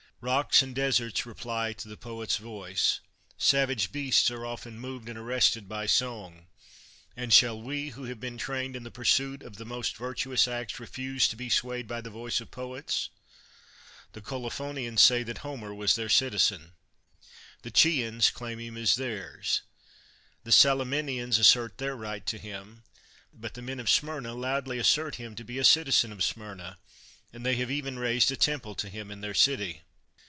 Eocks and deserts reply to the poet's voice; savage beasts are often moved and arrested by song; and shall we, who have been trained in the pursuit of the most virtuous acts, refuse to be swayed by the voice of poets? The Colophonians say that Homer was their citizen ; 141 THE WORLD'S FAMOUS ORATIONS the Chians claim him as theirs ; the Salaminians assert their right to him ; but the men of Smyrna loudly assert him to be a citizen of Smyrna, and they have even raised a temple to him in their city.